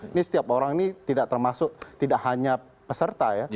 ini setiap orang ini tidak termasuk tidak hanya peserta ya